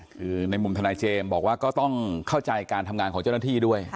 คือในมุมธนายเจมส์บอกว่าก็ต้องเข้าใจการทำงานของเจ้าหน้าที่ด้วย